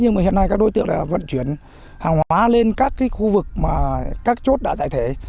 nhưng hiện nay các đối tượng là vận chuyển hàng hóa lên các khu vực mà các chốt đã giải thể